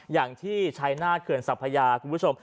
อย่างที่ชัยนาธเขื่อนสัพพยาคุณผู้ชม